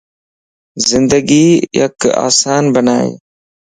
زندگي يڪ آسان بنائي